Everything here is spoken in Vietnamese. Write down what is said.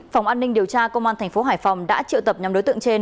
phòng an ninh điều tra công an tp hải phòng đã triệu tập nhằm đối tượng trên